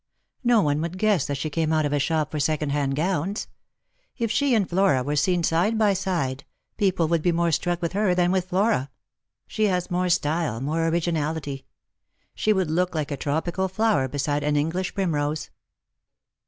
No one would guess that she came out of a shop for second hand gowns. If she and Flora were seen side by side, people would be more struck with her than with Flora; she has more style, more originality. She would look like a tropical flower beside an English prim rose."